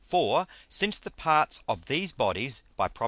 _ For since the parts of these Bodies, by _Prop.